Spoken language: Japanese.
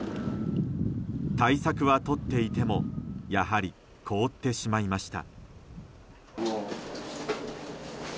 対策は取っていてもやはり凍ってしまいました。